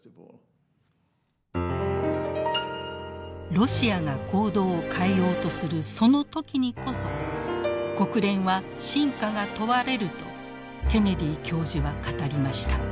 ロシアが行動を変えようとするその時にこそ国連は真価が問われるとケネディ教授は語りました。